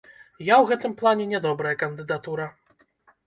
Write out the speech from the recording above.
Я ў гэтым плане не добрая кандыдатура.